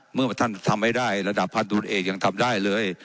เมื่อท่านทำไม่ได้ระดับพันธุ์เอกยังทำได้เลย